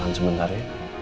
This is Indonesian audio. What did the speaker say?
jangan sementara ya